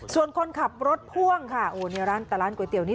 ส่วนคนขับรถพ่วงค่ะโอ้ในร้านแต่ร้านก๋วยเตี๋นี่